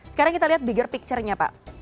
sekarang kita lihat bigger picture nya pak